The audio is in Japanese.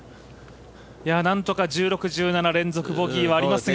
なんとか、１６、１７連続ボギーはありますが。